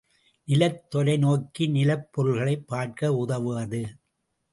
நிலத் தொலைநோக்கி நிலப் பொருள்களைப் பார்க்க உதவுவது.